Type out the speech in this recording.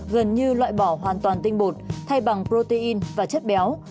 gần như loại bỏ hoàn toàn tinh bột thay bằng protein và chất béo